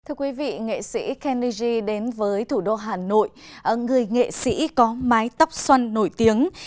thưa quý vị nghệ sĩ kennedy đến với thủ đô hà nội người nghệ sĩ có mái tóc xuân nổi tiếng